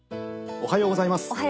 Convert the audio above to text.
おはようございます。